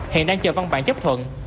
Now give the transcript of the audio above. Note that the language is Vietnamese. hiện đang chờ văn bản chấp thuận